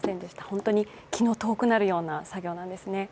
本当に気の遠くなるような作業なんですね。